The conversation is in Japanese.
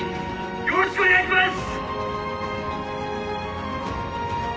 よろしくお願いします！